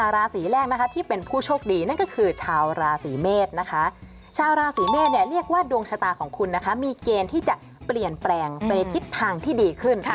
ราศีแรกนะคะที่เป็นผู้โชคดีนั่นก็คือชาวราศีเมษนะคะชาวราศีเมษเรียกว่าดวงชะตาของคุณนะคะมีเกณฑ์ที่จะเปลี่ยนแปลงไปทิศทางที่ดีขึ้น